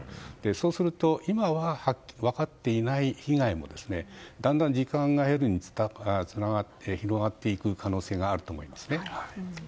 そうすると今は分かっていない被害もだんだん時間が経るにつれて広がっていく可能性があると思いますね。